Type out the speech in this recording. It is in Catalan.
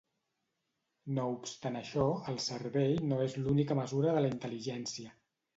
No obstant això, el cervell no és l'única mesura de la intel·ligència.